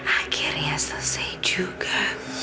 akhirnya selesai juga